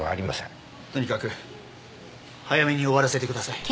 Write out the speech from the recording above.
とにかく早めに終わらせてください。